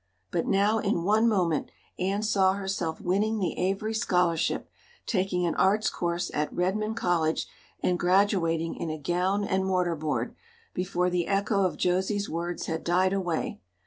But now in one moment Anne saw herself winning the Avery scholarship, taking an Arts course at Redmond College, and graduating in a gown and mortar board, before the echo of Josie's words had died away.